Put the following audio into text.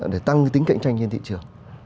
để tăng tính cạnh tranh trên thị trường